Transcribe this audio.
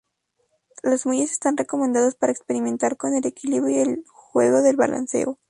Los muelles están recomendados para experimentar con el equilibrio y el juego del balanceo.